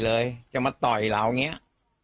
โหยวายเลยอ่ะ